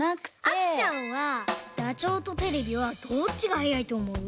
あきちゃんはダチョウとテレビはどっちがはやいとおもう？